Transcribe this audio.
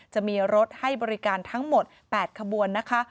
จะมีรถให้บริการทั้งหมด๘ขบวนนะคะ